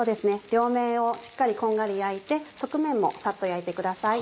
両面をしっかりこんがり焼いて側面もサッと焼いてください。